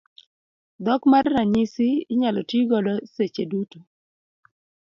Dhok mar ranyisi inyalo ti godo seche duto.